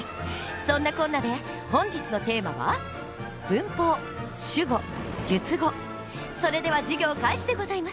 そんなこんなで本日のテーマはそれでは授業開始でございます。